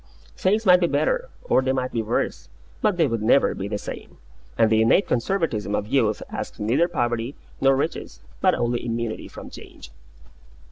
Things might be better, or they might be worse, but they would never be the same; and the innate conservatism of youth asks neither poverty nor riches, but only immunity from change.